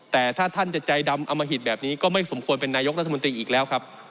แต่ถ้าท่านจะใจดำอมหิตแบบนี้ก็ไม่สมควรเป็นนายกรัฐมนตรีอีกแล้วครับ